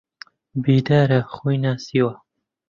بێدارە، خۆی ناسیوە